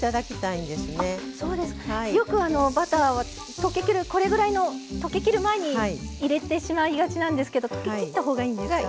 あそうですか。よくバターは溶けきるこれぐらいの溶けきる前に入れてしまいがちなんですけど溶けきった方がいいんですか？